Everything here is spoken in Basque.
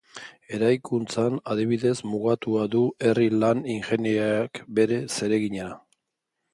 Eraikuntzan adibidez mugatua du herri-lan ingeniariak bere zeregina.